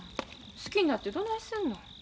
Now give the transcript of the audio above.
好きになってどないすんの。